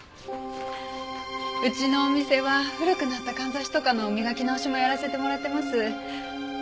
うちのお店は古くなったかんざしとかの磨き直しもやらせてもらってます。